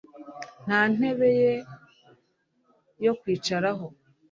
Nta ntebe yo kwicaraho